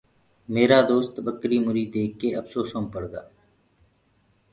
ميرآ دوست ٻڪريٚ مُريٚ ديک ڪي اڦسوسو مي پڙگآ۔